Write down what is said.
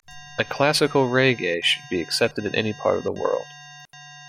A classical reggae should be accepted in any part of the world.